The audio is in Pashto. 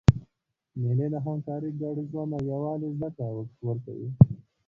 مېلې د همکارۍ، ګډ ژوند او یووالي زدهکړه ورکوي.